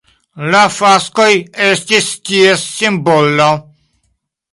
La faskoj estis ties simbolo.